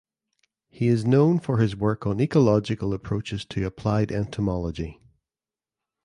He is known for his work on ecological approaches to applied entomology.